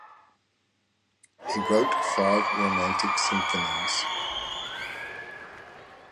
He wrote five romantic symphonies.